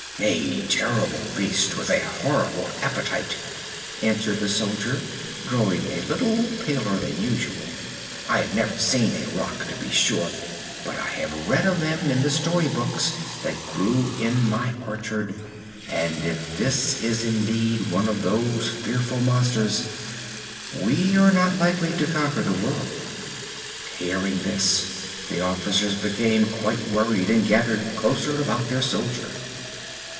"A terrible beast with a horrible appetite," answered the soldier, growing a little paler than usual. "I have never seen a Rak, to be sure, but I have read of them in the story books that grew in my orchard, and if this is indeed one of those fearful monsters, we are not likely to conquer the world." Hearing this, the officers became quite worried and gathered closer about their soldier.